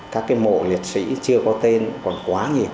các cái mộ liệt sĩ chưa có tên còn quá nhiều